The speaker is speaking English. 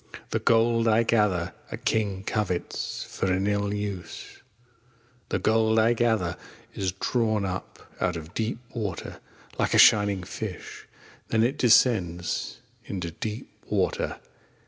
The Gold I gather A King covets For an ill use. The Gold I gather Is drawn up Out of deep Water. Like a shining Fish Then it descends Into deep Water.